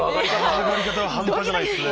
上がり方は半端じゃないっすね。